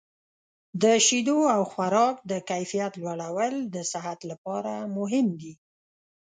د شیدو او خوراک د کیفیت لوړول د صحت لپاره مهم دي.